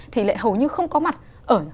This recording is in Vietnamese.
thì lại hầu như không có mặt ở